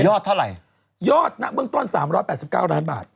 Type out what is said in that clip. เท่าไหร่ยอดนะเบื้องต้น๓๘๙ล้านบาท